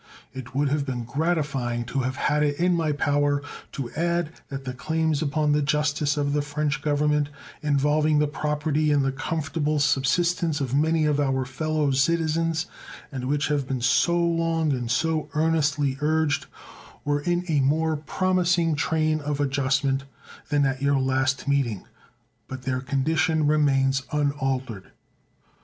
It would have been gratifying to have had it in my power to add that the claims upon the justice of the French Government, involving the property and the comfortable subsistence of many of our fellow citizens, and which have been so long and so earnestly urged, were in a more promising train of adjustment than at your last meeting; but their condition remains unaltered.